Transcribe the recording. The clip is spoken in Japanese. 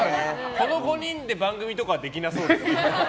この５人で番組とかできなさそうですよね。